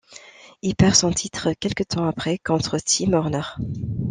Il perd son titre quelque temps après contre Tim Horner.